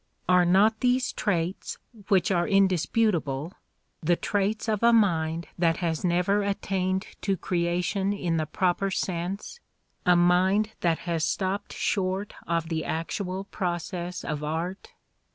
Are not these traits, which are indisputable, the traits The Playboy in Letters 163 of a mind that has never attained to creation in the proper sense, a mind that has stopped short of the actual process of art?